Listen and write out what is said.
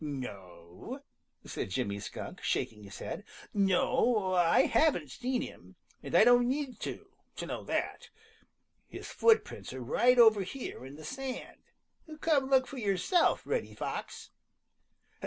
"No," said Jimmy Skunk, shaking his head, "no, I haven't seen him, and I don't need to, to know that. His footprints are right over here in the sand. Come look for yourself, Reddy Fox."